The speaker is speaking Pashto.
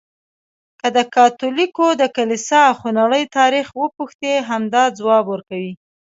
که د کاتولیکو د کلیسا خونړی تاریخ وپوښتې، همدا ځواب ورکوي.